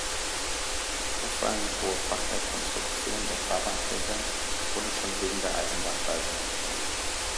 Die auffallend hohe Fachwerkkonstruktion der Fahrbahnträger wurde schon wegen der Eisenbahngleise notwendig.